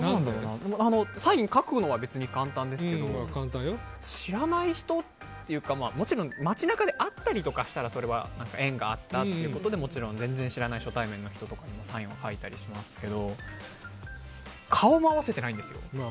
サイン書くのは別に簡単ですけど知らない人っていうか、もちろん街中で会ったりとかしたらそれは縁があったっていうことでもちろん全然知らない初対面の人とかにサイン書いたりしますけど顔も合わせていないんですよ。